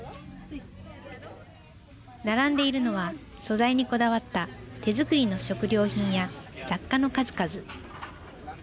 並んでいるのは素材にこだわった手作りの食料品や雑貨の数々。